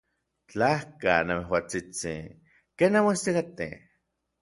Tlajka, namejuatsitsin. ¿Ken nanmoestikatej?